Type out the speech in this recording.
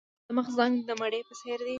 د مخ رنګ د مڼې په څیر دی.